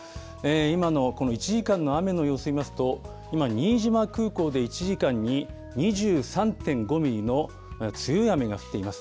今のこの１時間の雨の様子見ますと、今、にいじま空港で１時間に２３．５ミリの強い雨が降っています。